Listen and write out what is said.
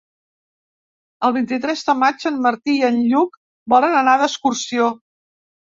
El vint-i-tres de maig en Martí i en Lluc volen anar d'excursió.